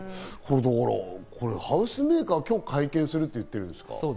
これ、ハウスメーカーが今日会見するって言ってるんですか。